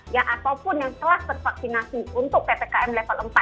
ya ataupun yang telah tervaksinasi untuk ppkm level empat